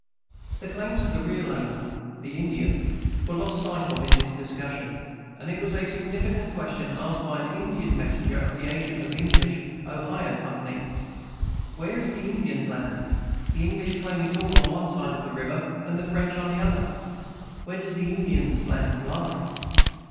The claims of the real owner the Indian were lost sight of in the discussion; and it was a significant question asked by an Indian messenger of the agent of the English Ohio Company: "Where is the Indian's land? The English claim it all on one side of the river, and the French on the other: where does the Indian's land lie?"